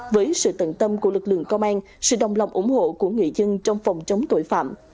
với sự tận tâm của lực lượng công an sự đồng lòng ủng hộ của người dân trong phòng chống tội phạm